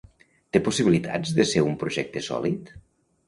Té possibilitats de ser un projecte sòlid?